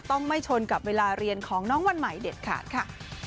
ต้องไม่ชนกับเวลาเรียนของน้องวันใหม่เด็ดขาดค่ะ